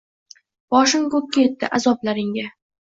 Boshim ko‘kka yetdi, azoblaringga